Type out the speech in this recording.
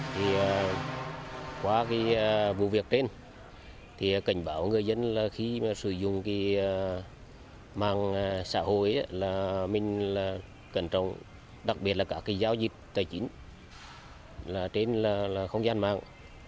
thì qua cái vụ việc trên thì cảnh báo người dân là khi sử dụng cái mạng xã hội là mình là cần trọng đặc biệt là các cái giao dịch tài chính là trên là không gian mạng